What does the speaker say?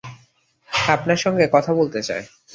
আপনার সঙ্গে কথা বলতে চায়।